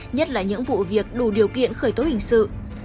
nhất là những vụ việc đủ điều kiện khởi tố hình sự